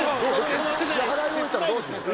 ・支払い終えたらどうするんです